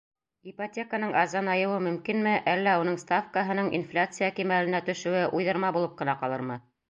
Ипотеканың арзанайыуы мөмкинме, әллә уның ставкаһының инфляция кимәленә төшөүе уйҙырма булып ҡына ҡалырмы?